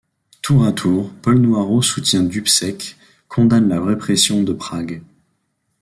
Tour à tour, Paul Noirot soutient Dubcek, condamne la répression de Prague.